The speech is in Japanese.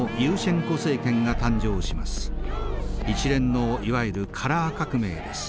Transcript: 一連のいわゆるカラー革命です。